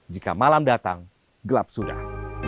jika malam datang gelap sudah